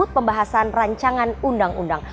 pembahasan rancangan undang undang